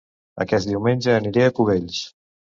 Aquest diumenge aniré a Cubells